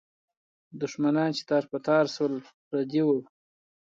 دښمنان چې تار په تار سول، پردي وو.